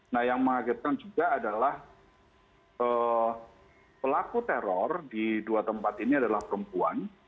nah yang mengagetkan juga adalah pelaku teror di dua tempat ini adalah perempuan